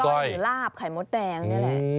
หรือลาบไข่มดแดงนี่แหละ